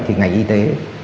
thì ngành y tế